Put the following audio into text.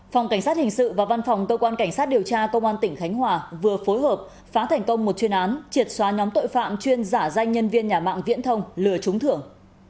phòng cảnh sát hình sự và văn phòng cơ quan cảnh sát điều tra công an tỉnh khánh hòa vừa phối hợp phá thành công một chuyên án triệt xóa nhóm tội phạm chuyên giả danh nhân viên nhà mạng viễn thông lừa trúng thưởng